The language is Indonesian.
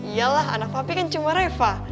iya lah anak papi kan cuma reva